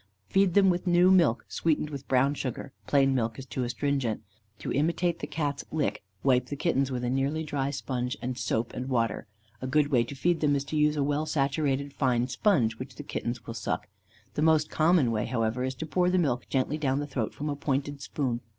Feed them with new milk, sweetened with brown sugar plain milk is too astringent. To imitate the Cat's lick, wipe the kittens with a nearly dry sponge, and soap and water. A good way to feed them is to use a well saturated fine sponge, which the kittens will suck. The most common way, however, is to pour the milk gently down the throat from a pointed spoon.